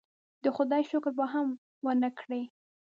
د خدای شکر به هم ونه کړي.